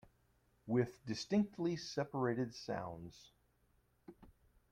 With distinctly separated sounds.